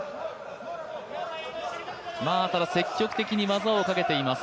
ただ、積極的に技をかけています。